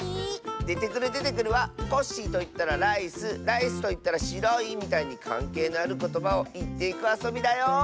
「デテクルデテクル」は「コッシーといったらライスライスといったらしろい」みたいにかんけいのあることばをいっていくあそびだよ！